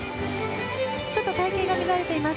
ちょっと隊形が乱れています。